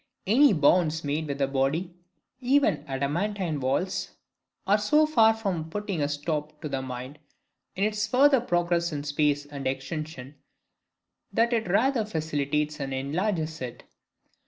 Any bounds made with body, even adamantine walls, are so far from putting a stop to the mind in its further progress in space and extension that it rather facilitates and enlarges it.